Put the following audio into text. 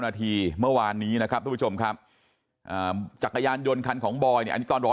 มีเพื่อนคนหนึ่งข่าว